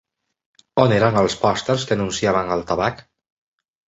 On eren els pòsters que anunciaven el tabac?